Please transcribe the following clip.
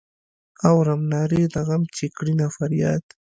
اورم نارې د غم چې کړینه فریاد.